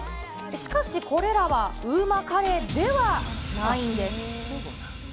しかしこれらはＵＭＡカレーではないんです。